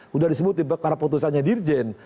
sudah disebut di bekar putusannya dirjen